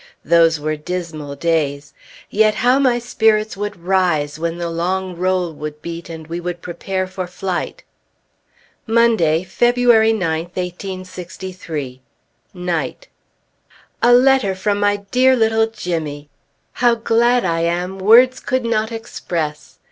Those were dismal days. Yet how my spirits would rise when the long roll would beat, and we would prepare for flight! Monday, February 9th, 1863. Night. A letter from my dear little Jimmy! How glad I am, words could not express.